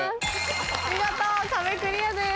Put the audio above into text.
見事壁クリアです。